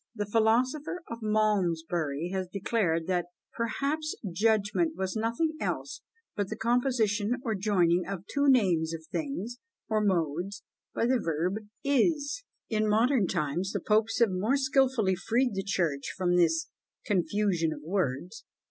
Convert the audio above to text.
The philosopher of Malmsbury has declared that "Perhaps Judgment was nothing else but the composition or joining of two names of things, or modes, by the verb IS." In modern times the popes have more skilfully freed the church from this "confusion of words."